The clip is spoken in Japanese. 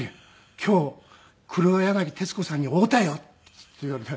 今日黒柳徹子さんに会うたよ！」って言われて。